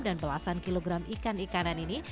dan belasan kilogram ikan ikanan ini